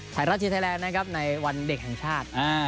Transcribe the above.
ไทยรัฐทีวีไทยแลนด์นะครับในวันเด็กแห่งชาติ